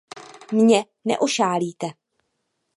Mě neošálíte.